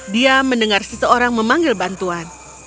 dia mendengar seseorang memanggil bantuan